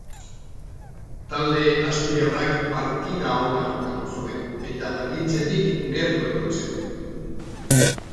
Talde asturiarrak partida ona jokatu zuen, eta berdintzetik gertu egon zen.